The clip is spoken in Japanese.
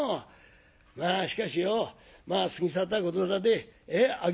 まあしかしよ過ぎ去ったことだで諦めなせえ」。